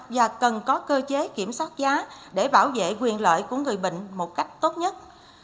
và cần có cơ chế kiểm soát giá để bảo vệ quyền lợi của người bệnh một cách tốt nhất